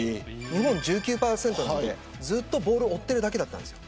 日本が１９％でずっとボールを追っているだけだったんです。